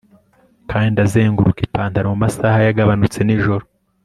kandi ndazenguruka ipantaro mu masaha yagabanutse nijoro